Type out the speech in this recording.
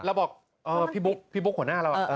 เราบอกเออพี่บุ๊กพี่บุ๊กขวาหน้าเราเออ